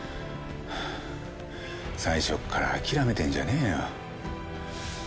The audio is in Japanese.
最初から諦めてんじゃねえよ。